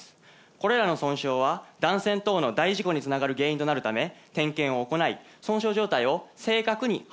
これらの損傷は断線等の大事故につながる原因となるため点検を行い損傷状態を正確に把握する必要があります。